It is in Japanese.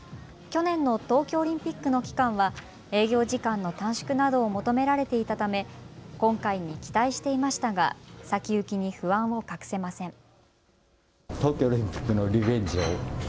去年の東京オリンピックの期間は営業時間の短縮などを求められていたため今回に期待していましたが先行きに不安を隠せません。